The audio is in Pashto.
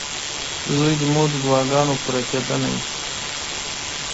• زوی د مور د دعاګانو پوره کېدنه وي.